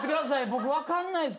僕分かんないっす。